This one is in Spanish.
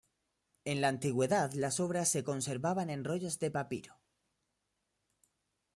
En la antigüedad las obras se conservaban en rollos de papiro.